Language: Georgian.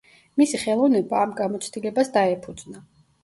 მისი ხელოვნება ამ გამოცდილებას დაეფუძნა.